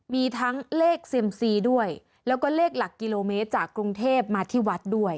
มีทั้งเลขเซียมซีด้วยแล้วก็เลขหลักกิโลเมตรจากกรุงเทพมาที่วัดด้วย